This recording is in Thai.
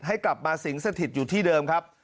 ให้กลับมาสิงสถิตอยู่ที่เดิมครับ